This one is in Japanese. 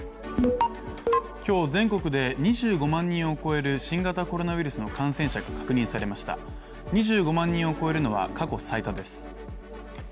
今日全国で２５万人を超える新型コロナウイルスの感染者が確認されました２５万人を超えるのは過去最多です。